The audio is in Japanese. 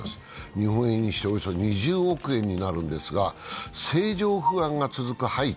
日本円にしておよそ２０億円になるんですが、政情不安が続くハイチ。